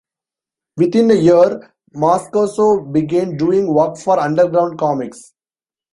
Within a year, Moscoso began doing work for underground comix.